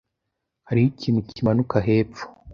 Hariho ikintu kimanuka hepfo.